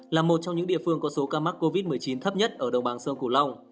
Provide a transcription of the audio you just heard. là một trong những địa phương có số ca mắc covid một mươi chín thấp nhất ở đồng bàng sơn củ long